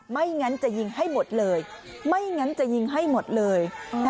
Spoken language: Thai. ไม่งั้นจะยิงให้หมดเลยไม่งั้นจะยิงให้หมดเลย